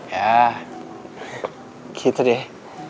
ya gitu deh